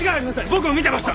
僕も見てました！